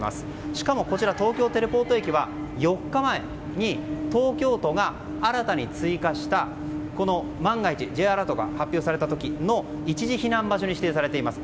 しかもこちら東京テレポート駅は４日前に東京都が新たに追加した万が一Ｊアラートが発表された時の一時避難場所に指定されています。